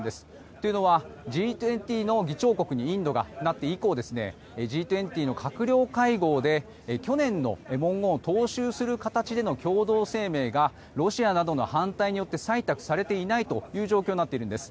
というのは、Ｇ２０の議長国にインドがなって以降Ｇ２０の閣僚会合で去年の文言を踏襲する形での共同声明がロシアなどの反対によって採択されていないという状況になっているんです。